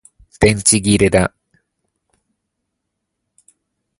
電池切れだ